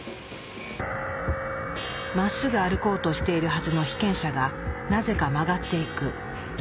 まっすぐ歩こうとしているはずの被験者がなぜか曲がっていく。